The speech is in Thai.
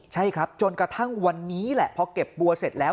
ใช่ครับจนกระทั่งวันนี้แหละพอเก็บบัวเสร็จแล้ว